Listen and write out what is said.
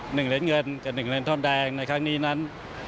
๑เหรียญเงินกับ๑เหรียญทอนแดงในครั้งนี้นั้น